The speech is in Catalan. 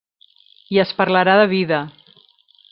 I es parlarà de vida.